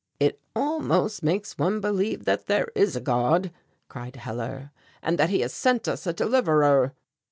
"It almost makes one believe that there is a God," cried Hellar, "and that he has sent us a deliverer."